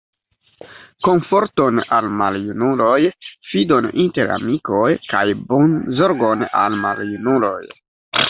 Komforton al maljunuloj, fidon inter amikoj, kaj bonzorgon al maljunuloj.